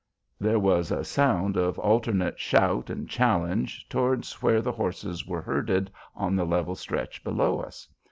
There was a sound of alternate shout and challenge towards where the horses were herded on the level stretch below us.